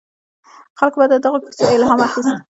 خلکو به له دغو کیسو الهام اخیست.